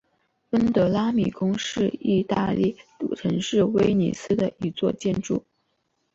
温德拉敏宫是义大利城市威尼斯的一座建筑。